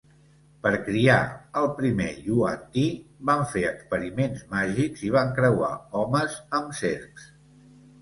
Per criar el primer yuan-ti, van fer experiments màgics i van creuar homes amb serps.